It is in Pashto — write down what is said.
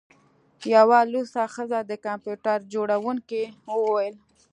یوه لوڅه ښځه د کمپیوټر جوړونکي وویل